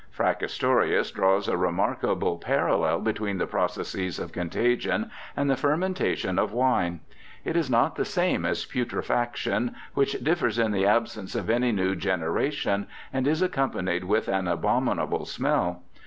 Fracastorius draws a remarkable parallel between the processes of contagion and the fermentation of wine. It is not the same as putrefaction, which differs in the absence of any new generation, and is accom panied with an abominable smell.